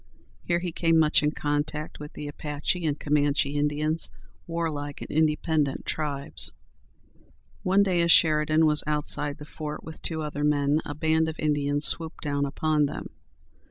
Here he came much in contact with the Apache and Comanche Indians, warlike and independent tribes. One day, as Sheridan was outside the fort with two other men, a band of Indians swooped down upon them.